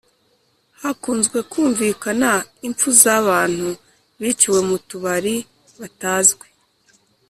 Hakunze kumvikana impfu za abantu biciwe mutubari batazwi